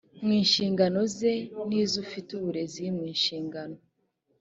mu nshingano ze n iz ufite uburezi mu nshingano